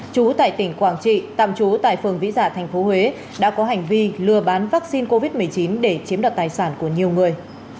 chú tại tỉnh quảng trị tạm trú tại phường vĩ dạ tp huế đã có hành vi lừa bán vaccine covid một mươi chín để chiếm đoạt tài sản của nhiều người